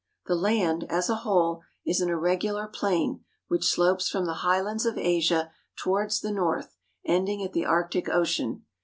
The land, as a whole, is an irregular plain which slopes from the highlands of Asia towards the north, ending at the Arctic Ocean.